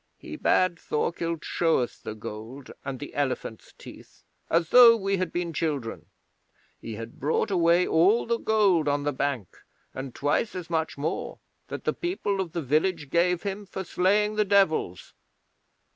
He bade Thorkild show us the gold and the elephants' teeth, as though we had been children. He had brought away all the gold on the bank, and twice as much more, that the people of the village gave him for slaying the Devils.